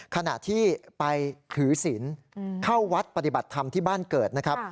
ขณะที่ไปถือศิลป์เข้าวัดปฏิบัติธรรมที่บ้านเกิดนะครับ